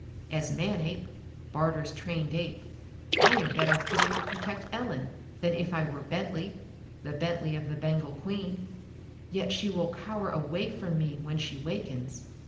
As Manape, Barter's trained ape, I am better fitted to protect Ellen than if I were Bentley the Bentley of the Bengal Queen. Yet she will cower away from me when she wakens."